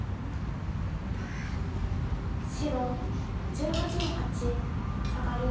白１８の八サガリ。